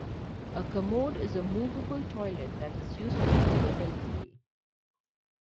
A commode is a movable toilet that is useful for the elderly.